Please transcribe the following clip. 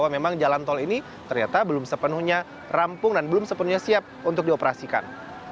memang jalan tol ini ternyata belum sepenuhnya rampung dan belum sepenuhnya siap untuk dioperasikan